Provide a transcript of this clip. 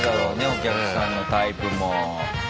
お客さんのタイプも。